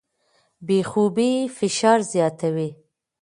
بې خوبۍ فشار زیاتوي.